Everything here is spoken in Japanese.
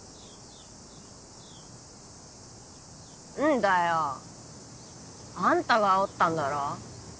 んだよあんたがあおったんだろ。